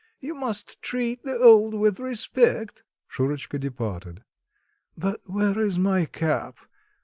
You must treat the old with respect." Shurotchka departed "But where is my cap?